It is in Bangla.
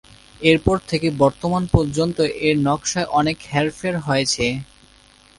এরপর থেকে বর্তমান পর্যন্ত এর নকশায় অনেক হেরফের হয়েছে।